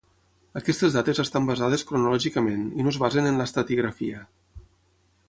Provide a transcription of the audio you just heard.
Aquestes dates estan basades cronològicament i no es basen en l'estratigrafia.